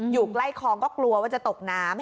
อยู่ใกล้คลองก็กลัวว่าจะตกน้ำ